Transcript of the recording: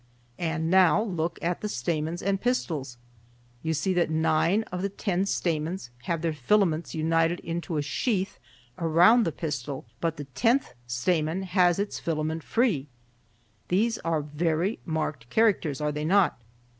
And now look at the stamens and pistils. You see that nine of the ten stamens have their filaments united into a sheath around the pistil, but the tenth stamen has its filament free. These are very marked characters, are they not?